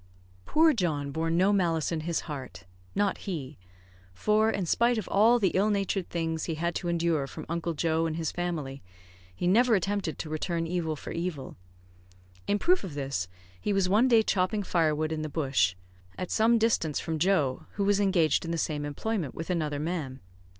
Poor John bore no malice in his heart, not he; for, in spite of all the ill natured things he had to endure from Uncle Joe and his family, he never attempted to return evil for evil. In proof of this, he was one day chopping firewood in the bush, at some distance from Joe, who was engaged in the same employment with another man.